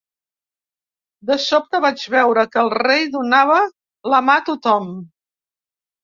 De sobte vaig veure que el rei donava la mà a tothom.